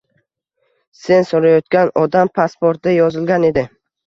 Sen soʻrayotgan odam pasportida yozilgan edi